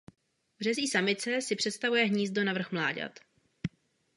Březí samice si připravuje hnízdo pro vrh mláďat.